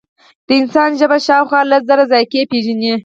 د انسان ژبه شاوخوا لس زره ذایقې پېژني.